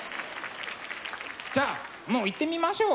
じゃあもういってみましょう。